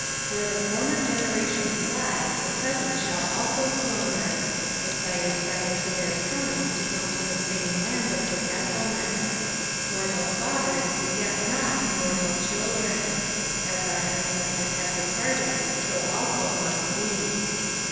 ^^ Where the former generations lie, the present shall also slumber. The ures beckon to their sons to come to the same land of forgetful ness. Mortal fathers beget not immortal children. As our ancestors have departed, so also must we.